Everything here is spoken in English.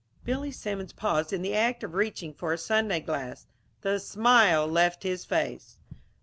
Billy Simmons paused in the act of reaching for a sundae glass. The smile left his face.